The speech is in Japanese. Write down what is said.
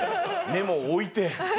メモを置いて。